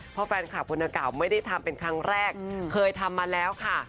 เพราะแฟนคลับคนนางกล่าวไม่ได้ทำเป็นครั้งแรกเคยทำมาแล้วค่ะ